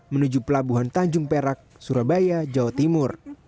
menuju pelabuhan tanjung perak surabaya jawa timur